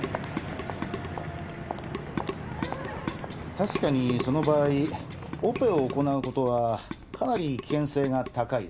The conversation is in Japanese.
確かにその場合オペを行うことはかなり危険性が高いです。